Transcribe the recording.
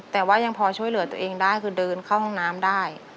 แต่ว่ายังพอช่วยเหลือตัวเองได้คือเดินเข้าห้องน้ำได้